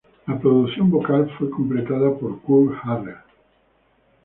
La producción vocal fue completada por Kuk Harrell.